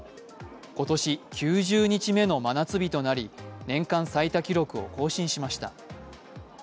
今年９０日目の真夏日となり年間最多記録を更新しました。